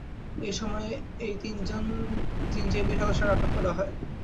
এ সময় এই তিন জেএমবি সদস্যকে আটক করা হয়।